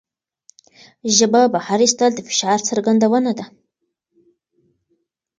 ژبه بهر ایستل د فشار څرګندونه ده.